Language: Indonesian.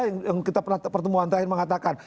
yang kita pertemuan terakhir mengatakan